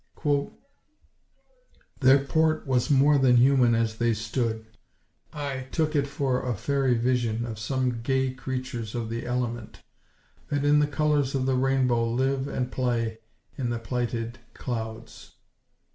"Their port was more than human as they stood; I took it for a faëry vision Of some gay creatures of the element, That in the colours of the rainbow live And play i' th' plighted clouds."